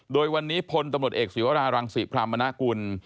โดยวันนี้พลตำรวจเอกศิวรารังศิพรามนากุล